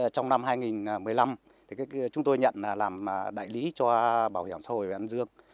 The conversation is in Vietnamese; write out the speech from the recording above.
trong năm hai nghìn một mươi năm chúng tôi nhận làm đại lý cho bảo hiểm xã hội về an dương